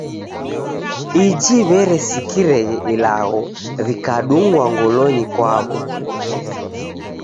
Iji w'eresikireghe ilagho, w'ikadungwa ngolonyi kwaw'o.